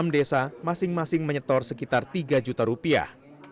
enam desa masing masing menyetor sekitar tiga juta rupiah